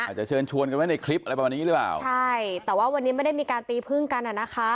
อาจจะเชิญชวนกันไว้ในคลิปอะไรประมาณนี้หรือเปล่าใช่แต่ว่าวันนี้ไม่ได้มีการตีพึ่งกันอ่ะนะคะ